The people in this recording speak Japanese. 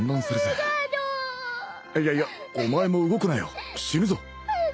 あっいやいやお前も動くなよ死ぬぞ。